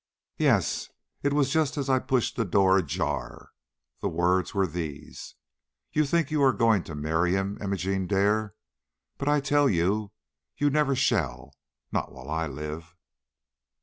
"Yes. It was just as I pushed the door ajar. The words were these: 'You think you are going to marry him, Imogene Dare; but I tell you you never shall, not while I live.'"